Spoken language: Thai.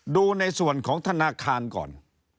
ดูในส่วนของธนาคารก่อน